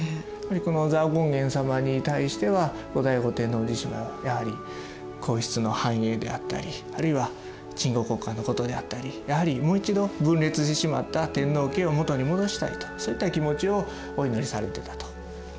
この蔵王権現様に対しては後醍醐天皇自身もやはり皇室の繁栄であったりあるいは鎮護国家のことであったりやはりもう一度分裂してしまった天皇家を元に戻したいとそういった気持ちをお祈りされてたと。